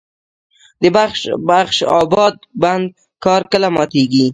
د بخش اباد بند کار کله ماتیږي؟